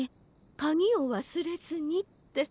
かぎをわすれずに」って。